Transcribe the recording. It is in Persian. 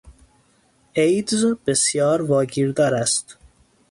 ایدز بسیار واگیردار است.